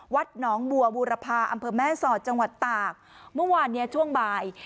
วัดหนองบัวบูรพาอำเภอแม่สอดจังหวัดตากเมื่อวานเนี้ยช่วงบ่าย